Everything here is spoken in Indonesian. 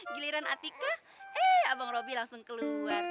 giliran atika eh abang roby langsung keluar